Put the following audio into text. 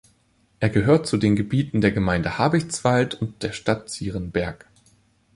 Er gehört zu den Gebieten der Gemeinde Habichtswald und der Stadt Zierenberg.